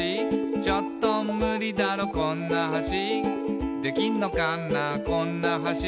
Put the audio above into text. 「ちょっとムリだろこんな橋」「できんのかなこんな橋」